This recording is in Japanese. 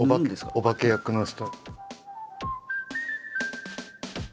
お化け役の人。